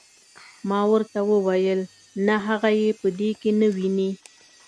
ما ورته وویل نه هغه یې په دې کې نه ویني.